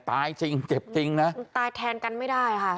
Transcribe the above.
ตายจริงเจ็บจริงนะมันตายแทนกันไม่ได้ค่ะ